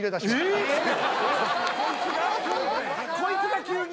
こいつが急に？